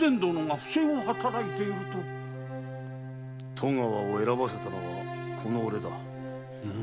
戸川を選ばせたのはこの俺だ。